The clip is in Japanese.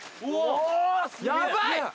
やばい！